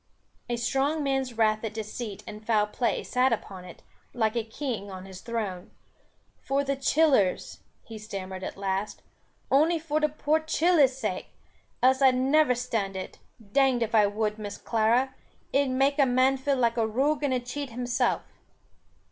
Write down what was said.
A strong man's wrath at deceit and foul play sat upon it, like a king on his throne. "For the chillers " he stammered at last "ony for the poor chiller's sake else I'd never stand it, danged if I wud, Miss Clara; it make a man feel like a rogue and a cheat himself."